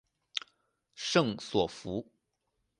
圣索弗。